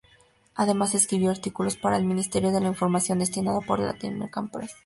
Además escribió artículos para el Ministerio de Información destinado por el Latin-American Press.